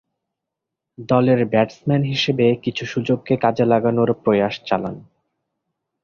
দলের ব্যাটসম্যান হিসেবে কিছু সুযোগকে কাজে লাগানোর প্রয়াস চালান।